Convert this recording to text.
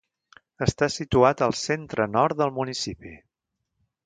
Està situat al centre-nord del municipi.